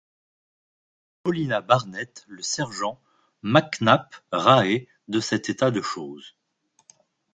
Paulina Barnett, le sergent, Mac Nap, Rae, de cet état de choses.